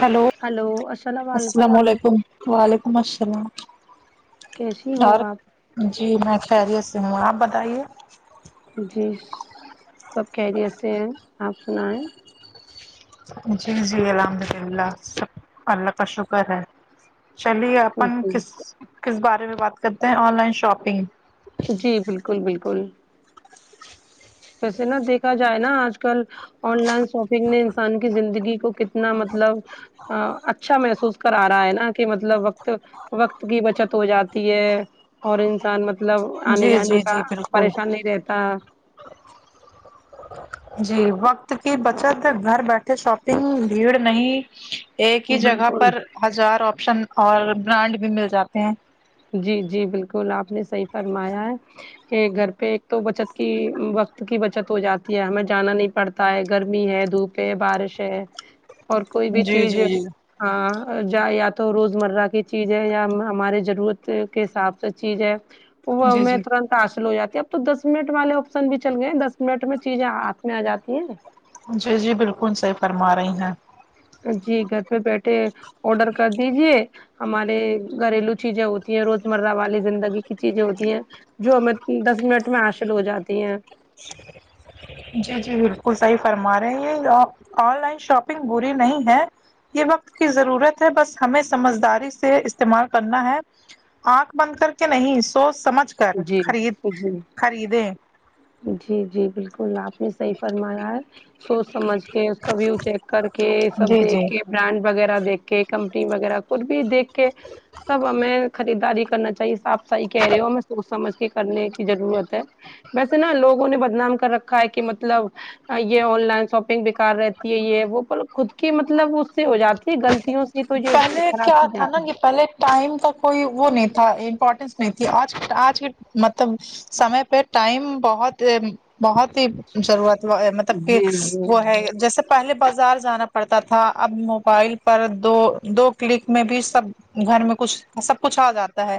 hello السلام علیکم وعلیکم السلام کیسی ہو اور آپ جی میں خیریت سے ہوں آپ بتائیے جی سب خیریت سے ہیں آپ سنیے جی جی الحمد للہ سب اللہ کا شکر ہے چلیے اپن جی کس کس بارے میں بات کرتے ہیں آن لائن شاپنگ جی بالکل بالکل ویسے نا دیکھا جائے نا آج کل آن لائن شاپنگ نے انسان کی زندگی کو کتنا مطلب ا اچھا محسوس کرا رہا ہے نا کہ مطلب وقت وقت کی بچت ہو جاتی ہے اور انسان مت مطلب آنے جی جانے جی کا جی بالکل پریشان نہیں رہتا جی وقت کی بچت گھر بیٹھے شاپنگ بھیڑ نہیں ایک ہی جگہ بالکل پر ہزار آپشن اور برانڈ بھی مل جاتے ہیں جی جی بالکل آپ نے صحیح فرمایا ہے کہ گھر پہ ایک تو بچت کی وقت کی بچت ہو جاتی ہے ہمیں جانا نہیں پڑ تا ہے گرمی ہے دھوپ ہے بارش ہے اور کوئی بھی جی چیز جی جی ہاں یا تو روزمرہ کی چیز ہے یا ہمارے ضرورت تے کے حساب سے چیز ہے وہ جی میں جی ترنت حاصل ہو جاتی ہے اب تو دس منٹ والے آپشن بھی چل گئے دس منٹ میں چیزیں ہاتھ میں آ جاتی ہیں جی جی بالکل صحیح فرما رہی ہیں جی گھر پہ بیٹھے آرڈر کر دیجے ہمارے گھریلو چیزیں ہوتی ہیں روز مرہ والی زندگی کی چیزیں ہوتی ہیں جو ہمیں دس منٹ میں حاصل ہو جاتی ہیں جی جی بالکل صحیح فرما رہے ہیں اپ آن لائن شاپنگ بری نہیں ہے یہ وقت کی ضرورت ہے بس ہمیں سمجھداری سے استعمال کرنا ہے آنکھ بند کر کے نہیں سوچ سمجھ کر جی خرید جی خریدیں جی جی بالکل آپ نے صحیح فرمایا ہے سوچ سمجھ کے اس کا ویو چیک کر کے سب جی دیکھ جی کے برانڈ وغیرہ دیکھ کے کمپنی وغیرہ کچھ بھی دیکھ کے سب ہمیں خریداری کرنا چاہیے آپ صحیح کہہ رہے ہو ہمیں کو سمجھ کے کرنے کی ضرورت ہے ویسے نا لوگوں نے بدنام کر رکھا ہے کہ مطلب یہ آن لائن شاپنگ بےکار رہتی ہے یہ وہ خود کی مطلب اس سے ہو جاتی غلطیوں سے تو جو پہلے خراب کیا چیزیں تھا نا آتی کہ پہلے ٹائم کا کوئی وہ نہیں تھا امپورٹینس نہیں تھی آج آج کے مطلب سمے پہ ٹائم بہت بہت ہی ضرورت مطلب کہ جی جی وہ ہے جیسے پہلے بازار جانا پڑتا تھا اب موبائل پر دو دو کلک میں بھی سب گھر میں کچھ سب کچھ آ جاتا ہے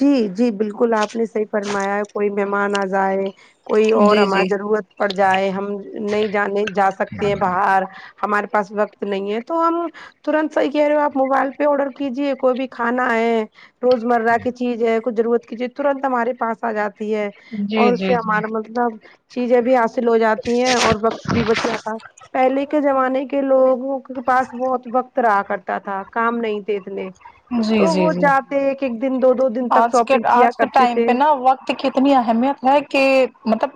جی جی بالکل آپ نے صحیح فرمایا کوئی مہمان آ جائے کوئی اور جی ہمار جی ضرورت پڑ جائے ہم نہیں جانے جا سکتے ہیں باہر ہمارے پاس وقت نہیں ہے تو ہم ترنت صحیح کہہ رہے ہو آپ موبائل پہ آرڈر کیجیے کوئی بھی کھانا ہے روز مرہ کی چیز ہے کچھ ضرورت کی چیز ترنت ہمارے پاس آ جاتی ہے جی اور اس سے جی ہمارا جی مطلب چیزیں بھی حاصل ہو جاتی ہیں اور وقت بھی بچ جاتا پہلے کے زمانے کے لوگوں کے پاس بہت وقت رہا کرتا تھا کام نہیں تھے اتنے تو جی جی وہ جی جاتے ایک ایک دن دو دو دن تک آج کے شاپنگ کیا آج کے کرتے ٹائم تھے پہ نا کی کتنی اہمیت ہے کہ مطلب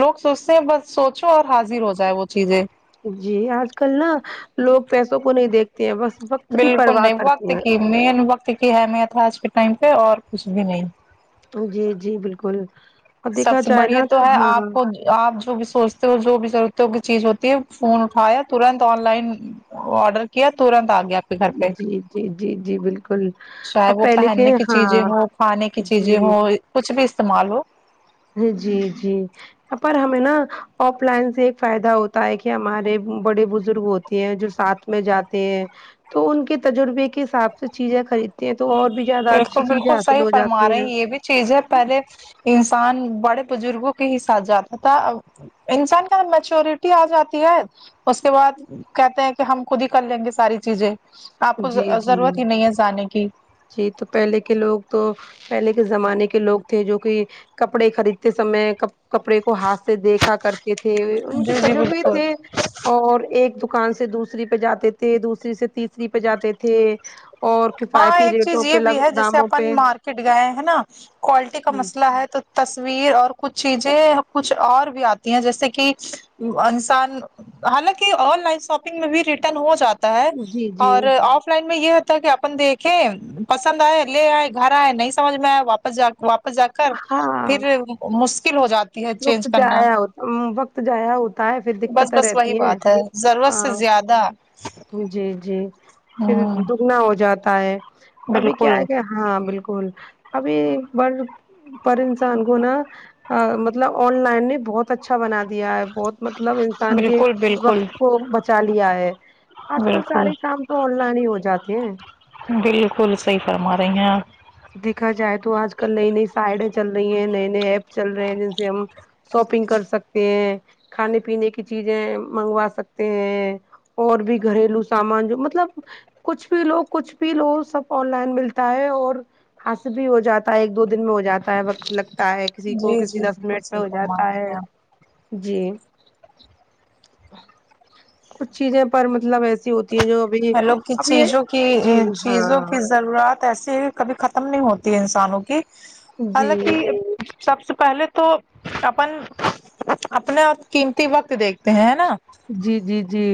لوگ سوچتے ہیں بس سوچو اور حاضر ہو جائے وہ چیزیں جی آج کل نا لوگ پیسوں کو نہیں دیکھتے ہیں بس وقت کی بالکل پرواہ نہیں وقت کرتے ہیں کی مین وقت کی اہمیت ہے آج کے ٹائم پہ اور کچھ بھی نہیں تو جی جی بالکل اور سب دیکھا سے جائے بڑھیا نا تو ہے ہاں آپ خود آپ جو بھی سوچتے ہو جو بھی ضرورت ہو کی چیز ہوتی ہے فون اٹھایا ترنت آن لائن آرڈر کیا ترنت آ گیا گھر پہ جی جی جی جی بالکل چاہے اب وہ پہلے کے پہننے کی ہاں چیزیں ہو کھانے کی جی چیزیں ہو کچھ بھی استعمال ہو جی جی پر ہمیں نا آف لائن سے ایک فائدہ ہوتا ہے کہ ہمارے بڑے بزرگ ہو تے ہیں جو ساتھ میں جاتے ہیں تو ان کے تجربے کے حساب سے چیزیں خریدتے ہیں تو اور بھی زیادہ بالکل اچھی چیزیں بالکل حاصل صحیح ہو فرما رہے جاتی ہیں یہ بھی چیز ہے پہلے انسان بڑے بزرگوں کے ہی ساتھ جاتا تھا اب انسان کا میچوریٹی آ جاتی ہے اس کے بعد کہتے ہیں کہ ہم خود ہی کر لیں گے ساری چیزیں جی جی ہنسانے کی جی تو پہلے کے لوگ تو پہلے کے زمانے کے لوگ تھے جو کہ کپڑے خریدتے سمے کب کپڑے کو ہاتھ سے دیکھا کرتے تھے ان کے جی جی تجربے بالکل تھے اور ایک دکان سے دوسری پہ جاتے تھے دوسری سے تیسری پہ جاتے تھے اور کفایت ہاں ایک چیز یہ بھی ہے جیسے اپن مارکیٹ گئے ہیں نا کوالٹی کا مسئلہ ہے تو تصویر اور کچھ چیزیں کچھ اور بھی آتی ہیں جیسے کہ انسان حالانکہ آن لائن شاپنگ میں بھی ریٹرن ہو جا تا ہے جی جی اور آف لائن میں یہ ہوتا کہ آپ اپن دیکھیں پسند آئے لے آئے گھر آئے نہیں سمجھ میں آئے واپس جا اپ جا کر ہاں پھر مشکل ہو جات تی ہے وقت چینج کرنا جایا ہوتا وقت جایا ہوتا ہے پھر بس دقتیں بس وہی رہتی ہیں بات ہے ضرورت سے ہاں زیادہ جی جی پھر ہ دگنا ہو جاتا ہے ابھی بالکل کیا ہے کیا ہاں بالکل ابھی ب پر انسان کو نا ا مطلب آن لائن نے بہت اچھا بنا دیا ہے بہت مطلب انسان کے بالکل بالکل وقت کو ب چالیا ہے آج کل بالکل سارے کام تو آن لائن ہی ہو جاتے ہیں بالکل صحیح فرما رہی ہیں آپ دیکھا جائے تو آج کل نئی نئی سائڈیں چل رہی ہیں نئے نئے ایپ چل رہے ہیں جیسے ہم شاپنگ کر سکتے ہیں کھانے پینے کی چیزیں منگوا سکتے ہیں اور بھی گھریلو سامان جو مطلب کچھ بھی لو کچھ بھی لو سب آن لائن ملتا ہے اور حاصل بھی ہو جاتا ہے ایک دو دن میں ہو جاتا ہے وقت لگتا ہے کسی کو جی کسی جی دس بالکل منٹ میں صحیح ہو فرما جاتا رہی ہے ہیں آپ جی کچھ چیزیں پر مطلب ایسی ہوتی ہیں جو ابھی ہیلو کچھ اب یہ چیزوں کی ا جی چیزوں ہاں کی ضرورت ایسی ہے کبھی ختم نہیں ہوتی ہے انسانوں کی حالانکہ جی سب سے پہلے تو اپن اپنا آپ قیمتی وقت دیکھتے ہیں نا جی جی جی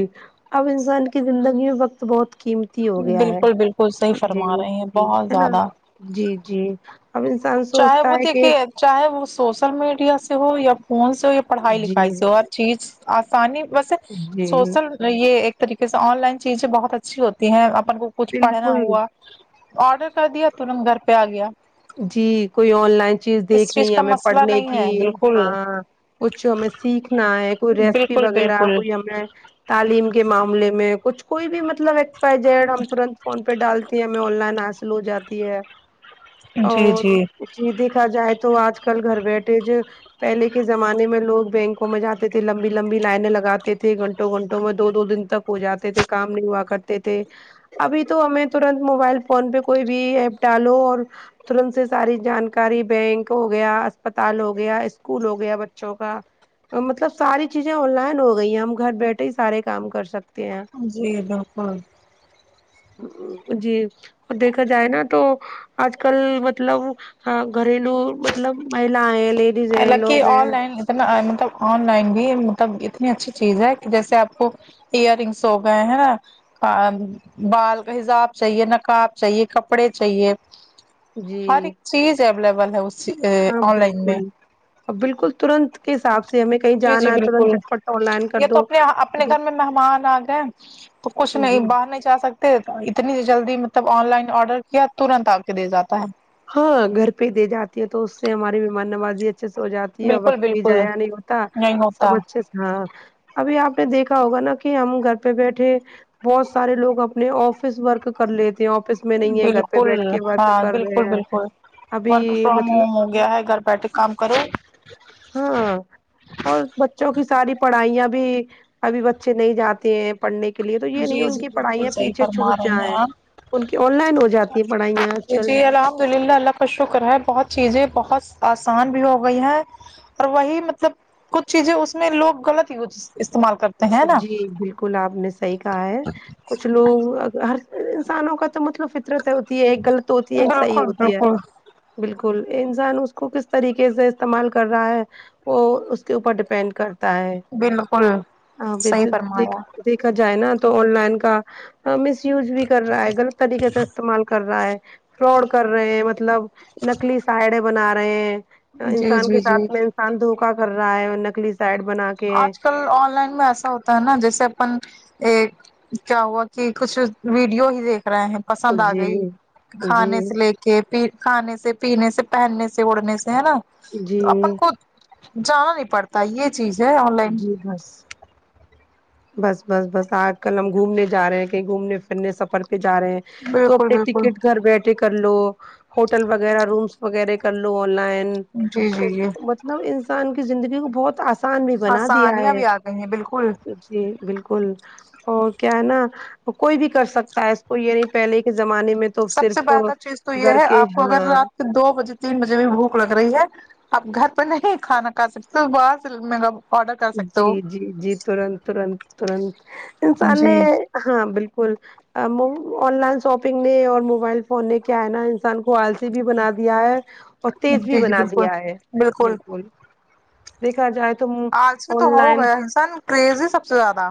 اب انسان کی زندگی میں وقت بہت قیمت ہو گیا ہے بالکل بالکل صحیح جی فرما رہے ہیں بہت ہے نا زیادہ جی جی اب انسان چاہے سوچتا وہ ہے کہ دیکھیے چاہے وہ سوشل میڈیا سے ہو یا فون سے ہو یا پڑھائی جی لکھائی سے ہو چیز آسانی ویسے جی سوسل یہ ایک طریقے سے آن لائن چیزیں بہت اچھی ہوتی ہیں اپن کو کچھ پڑھنا بالکل ہوا آرڈر کر دیا ترنت گھر پہ آ گیا جی کوئی آن لائن چیز اس دیکھنی کا ہمیں مسئلہ پڑھنے نہیں کی ہے بالکل ہاں کچھ ہمیں سیکھنا ہے کوئی ریسیپی بالکل وغیرہ بالکل کوئی ہمیں تعلیم کے معاملے میں کچھ کوئی بھی مطلب اکسز وائی زیڈ ہم ترنت فون پہ ڈالتی ہیں ہمیں آن لائن حاصل ہو جاتی ہے جی اور جی جی دیکھا جائے تو آج کل گھر بیٹھے جو پہلے کے زمانے میں لوگ بینکوں میں جاتے تھے لمبی لمبی لائنیں لگاتے تھے گھنٹوں گھنٹوں میں دو دو دن تک ہو جاتے تھے کام نہیں ہوا کرتے تھے ابھی تو ہمیں ترنت موبائل فون پہ کوئی بھی ایپ ڈالو اور ترنت سے ساری جانکاری بینک ہو گیا اسپتال ہو گیا اسکول ہو گیا بچوں کا مطلب ساری چیزیں آن لائن ہو گئی ہیں ہم گھر بیٹھے ہی سارے کام کر سکتے ہیں جی بالکل جی اور دیکھا جائے نا تو آج ک کل مطلب ہاں گھریلو مطلب مہلائے لے حالانکہ آن لائن ن مطلب آن لائن بھی مطلب اتنی اچھی چیز ہے کہ جیسے آپ کو ایئر رنگس ہو گئے ہے ہ بال کا حساب چاہیے نقاب چاہیے کپڑے چاہیے ہر جی ایک چیز اویلیبل ہے اس ا آن لائن میں ا بالکل ترنت کے ساتھ جی جی بالکل کر یہ تو دو اپنے اپنے گھر میں مہمان آ گئے تو کچھ جی نہیں باہر نہیں جا سک تے اتنی جلدی مطلب آن لائن آرڈر کیا ترنت آپ کے دے جاتا ہے ہاں گھر پہ دے جاتی ہے تو اس سے ہماری مہمان نوازی اچھے سے ہو جاتی ہے اور بالکل وقت بھی بالکل ضائع نہیں ہوتا نہیں سب ہوتا اچھے سے ہاں ابھی آپ نے دیکھا ہوگا نا کہ ہم گھر پہ بیٹھے بہت سارے لوگ اپنے آفس ورک کر لیتے ہیں آفس میں نہیں ہے گھر پہ بالکل بیٹھ کے ورک ہاں کر بالکل رہے ہیں بالکل ورک ابھی فرم مطلب ہوم ہو گیا ہے گھر بیٹھے کام کرو ہاں اور بچوں کی ساری پڑھائیاں بھی ابھی بچے نہیں جاتے ہیں پڑھنے کے لیے تو یہ نہیں جی ان جی کی بالکل پڑھائیاں صحیح پیچھے فرما چھوٹ رہی ہیں جائیں آپ ان کی آن لائن ہو جاتی ہے پڑھائیاں کل جی الحمدالله اللہ کا شکر ہے بہت چیزیں بہت آسان بھی ہو گئی ہیں اور وہی مطلب کچھ چیزیں اس میں لوگ غلط یوز استعمال کرتے ہیں نا جی بالکل آپ نے صحیح کہا ہے کچھ لوگ ہر انسانوں کا تو مطلب فطرت ہوتی ہے ایک غلط ہوتی ہے ایک صحیح بالکل ہوتی ہے بالکل بالکل انسان اس کو کس طریقے سے استعمال کر رہا ہے وہ اس کے اوپر ڈیپینڈ کرتا ہے بالکل آ صحیح بزدت فرمایا دیکھا جائے نا تو آن لائن کا مس یوز بھی کر رہا ہے غلط طریقے سے استعمال کر رہا ہے فرود کر رہے ہیں مطلب نکلی ساڑیں بنا رہے ہیں جی انسان جی کے جی ساتھ میں انسان دھوکا کر رہا ہے نکلی سائڈ بنا کے آج کل آن لائن میں ایسا ہو تا ہے نا جیسے اپن ایک کیا ہوا کہ کچھ ویڈیو ہی دیکھ رہے ہیں پسند آ جی گئی جی کھانے سے لے کہ پ کھانے سے پینے سے پہننے سے اڑنے سے ہے نا جی تو اپن خود جانا نہیں پڑتا یہ چیز آن لائن جی بس بس بس بس آج کل ہم گھومنے جا رہے ہیں کہیں گھومنے پھرنے سفر پہ جا رہے ہیں تو بالکل اپنے بالکل ٹکٹ گھر بیٹھے کر لو ہوٹل وغیرہ رومس وغیرہ کر لو آن لائن جی جی یہ لو انسان کی زندگی کو بہت آسان بھی آ بنا دیا سانیاں ہے بھی آ گئی ہیں بالکل جی بالکل اور کیا ہے نا کوئی بھی کر سکتا ہے اس کو یعنی پہلے کے زمانے میں تو سب سے صرف بہتر چیز تو یہ گھر ہے کے آپ کو اگر ہاں رات کے دو بجے تین بجے بھی بھوک لگ رہی ہے آپ گھر پہ نہیں کھانا کھا سکتے باہر سے مراب جی جی جی ترنت ترنت ترنت انسان جی نے ہاں بالکل آن لائن شاپنگ نے اور موبائل فون نے کیا ہے نا انسان کو آلسی بھی بنا دیا ہے اور تیز بھی جی جی بنا بالکل دیا ہے بالکل دیکھا جائے تو آج بھی تو آن ہو لائن گیا انسان کریز ہی سب سے زیادہ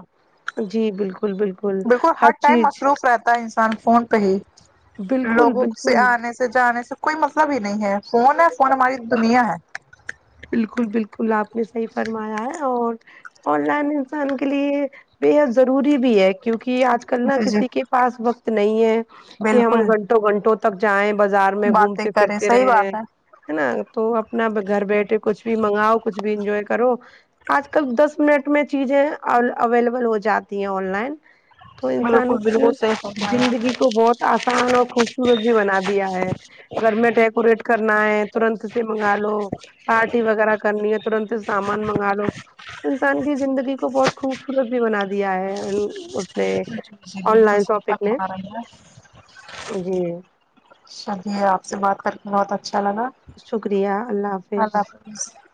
جی بالکل بالکل دیکھو ہر ٹائم چیز مصروف رہتا ہے انسان فون پہ ہی بالکل لوگوں سے بالکل آنے سے سے جانے سے کوئی مطلب ہی نہیں ہے فون ہے فون ہماری دنیا ہے بالکل بالکل آپ نے صحیح فرمایا ہے اور آن لائن انسان کے لیے بے حد ضروری بھی ہے کیونکہ آج کل نا جی جی کسی کے پاس وقت نہیں ہے کہ ہم بالکل گھنٹوں گھنٹوں تک جائیں بازار میں باتیں گھومتے کریں پھرتے صحیح رہے ہیں بات ہے ہے نا تو اپنا گھر بیٹھے کچھ بھی منگاؤ کچھ بھی انجوائے کرو آج کل دس منٹ میں چیزیں اویلیبل ہو جاتی ہیں آن لائن تو انسان بالکل کی بالکل صحیح فرمایا زندگی کو بہت آسان اور خوبصورت بھی بنا دیا ہے گھر میں ڈیکوریٹ کرنا ہے ترنت سے منگا لو پارٹی وغیرہ کرنی ہے ترنت سامان منگا لو انسان کی زندگی کو بہت خوبصورت بھی بنا دیا ہے اس نے جی آن بالکل لائن صحیح شاپنگ نے فرما رہی ہیں جی چلیے آپ سے بات کر کے بہت اچھا لگا شکریہ اللہ حافظ [unintelligible]